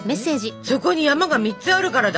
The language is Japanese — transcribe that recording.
「そこに山が３つあるからだ」。